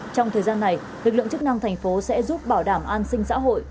trong thời gian này lực lượng chức năng thành phố sẽ giúp bảo đảm an sinh xã hội